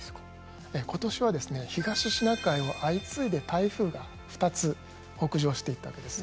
今年はですね東シナ海を相次いで台風が２つ北上していったわけです。